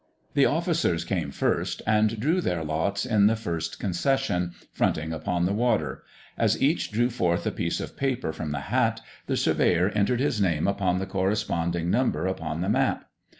The officers came first, and drew their lots in the first concession, fronting upon the water. As each drew forth a piece of paper from the hat, the surveyor entered his name upon the corresponding number upon the map.